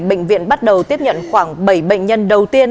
bệnh viện bắt đầu tiếp nhận khoảng bảy bệnh nhân đầu tiên